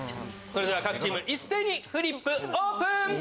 各チーム一斉にフリップオープン！